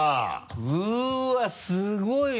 うわすごいな。